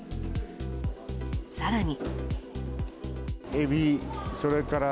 更に。